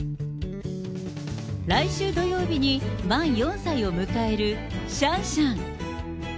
来週土曜日に満４歳を迎えるシャンシャン。